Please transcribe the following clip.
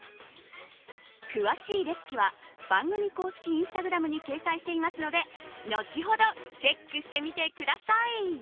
詳しいレシピは番組公式インスタグラムに掲載していますので後ほどチェックしてみてください。